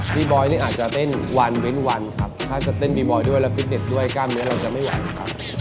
บอยนี่อาจจะเต้นวันเว้นวันครับถ้าจะเต้นบีบอยด้วยแล้วฟิตเน็ตด้วยกล้ามเนื้อเราจะไม่ไหวครับ